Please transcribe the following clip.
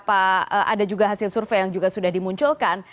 ada juga hasil survei yang juga sudah dimunculkan